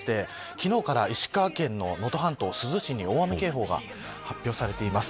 昨日から石川県の能登半島珠洲市に大雨警報が発表されています。